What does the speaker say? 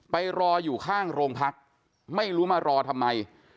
ไปรออยู่ข้างโรงพักไม่รู้มารอทำไม